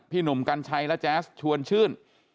หนุ่มกัญชัยและแจ๊สชวนชื่น